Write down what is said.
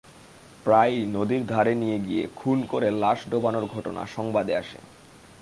প্রায়ই নদীর ধারে নিয়ে গিয়ে খুন করে লাশ ডোবানোর ঘটনা সংবাদে আসে।